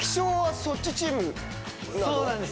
そうなんです。